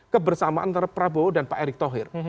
kebersamaan antara prabowo dan pak erick thohir